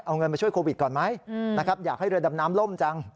เอาเงินมาช่วยโควิดก่อนไหมนะครับอยากให้เรือดำน้ำล่มจัง